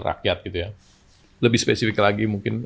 rakyat gitu ya lebih spesifik lagi mungkin